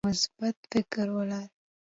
مثبت فکر ولرئ.